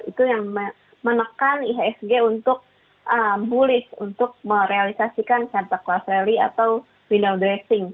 itu yang menekan ihsg untuk bullish untuk merealisasikan santarelli atau window dressing